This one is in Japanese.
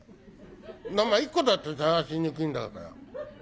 名前１個だってさがしにくいんだから。